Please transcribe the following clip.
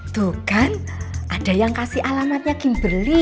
tuh kan ada yang kasih alamatnya gimbeli